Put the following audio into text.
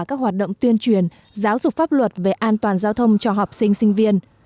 các hoạt động tuyên truyền giáo dục pháp luật về an toàn giao thông cho học sinh sinh viên